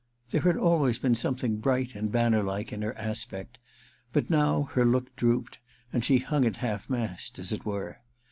There had always been something bright and banner like in her aspect, but now her look drooped, and she hung at half mast, as it were.